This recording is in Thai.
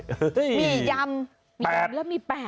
มียำมียำแล้วมี๘